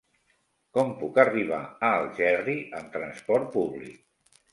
Com puc arribar a Algerri amb trasport públic?